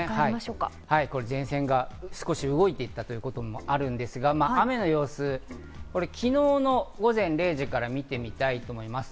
前線が少し動いていたということもあるんですが、雨の様子、これ、昨日の午前０時から見てみたいと思います。